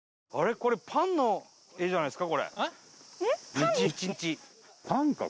これ、パンの絵じゃないですか？